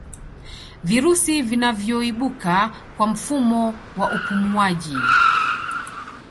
virusi vinavyoibuka kwa mfumo wa upumuwaji